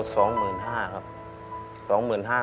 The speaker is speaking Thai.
ดาวน์๒๕๐๐๐ครับ